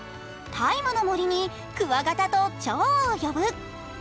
「ＴＩＭＥ，の森」にクワガタとチョウを呼ぶ。